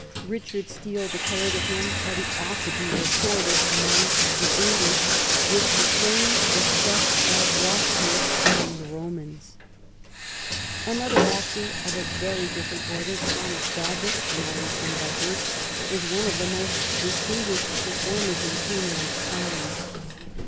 Richard Steele declared of him that he " ought to be recorded " among the English " with the same respect as Roscius among the Romans." Another actor of a very difiFerent order, Thomas Doggett, an Irishman by birth, was one of the most distinguished performers of Queen Anne's time.